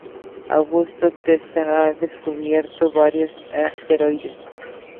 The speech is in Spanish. Augusto Testa ha descubierto varios asteroides.